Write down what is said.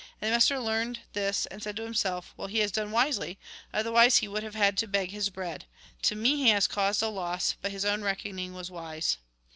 And the master learned this, and said to himself :' Well, he has done wisely ; otherwise he would have had to beg his bread. To me he has caused a loss, but his own reckoning was wise.'